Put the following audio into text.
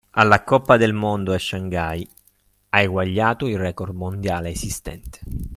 Alla Coppa del Mondo a Shanghai, ha eguagliato il record mondiale esistente.